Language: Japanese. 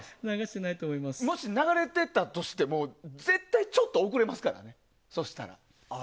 もし流れていたとしても絶対にちょっと遅れますから。